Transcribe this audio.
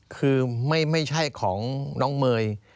คือไม่ใช่ของน้องเมย์